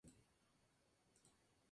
Hoy en día esto ya no ocurre.